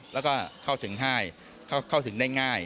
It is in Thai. และเข้าถึงให้ได้ง่าย